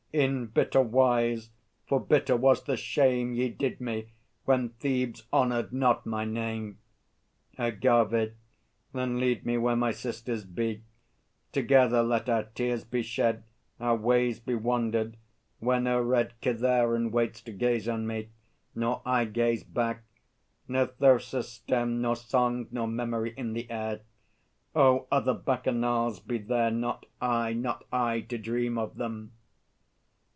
In bitter wise, for bitter was the shame Ye did me, when Thebes honoured not my name. AGAVE. Then lead me where my sisters be; Together let our tears be shed, Our ways be wandered; where no red Kithaeron waits to gaze on me; Nor I gaze back; no thyrsus stem, Nor song, nor memory in the air. Oh, other Bacchanals be there, Not I, not I, to dream of them!